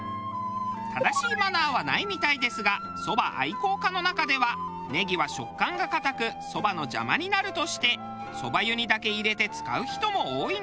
正しいマナーはないみたいですがそば愛好家の中ではネギは食感が硬くそばの邪魔になるとしてそば湯にだけ入れて使う人も多いんだそう。